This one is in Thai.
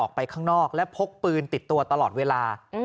ไปข้างนอกและพกปืนติดตัวตลอดเวลา